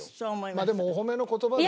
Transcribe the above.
まあでもお褒めの言葉ですよ。